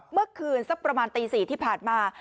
เมื่อคืนสักประมาณตี๔ที่ผ่านมา